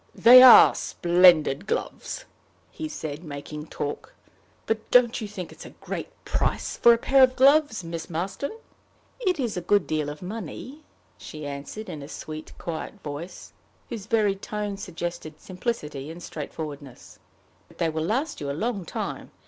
"They're splendid gloves," he said, making talk; "but don't you think it a great price for a pair of gloves, Miss Marston?" "It is a good deal of money," she answered, in a sweet, quiet voice, whose very tone suggested simplicity and straightforwardness; "but they will last you a long time.